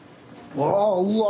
わあうわ！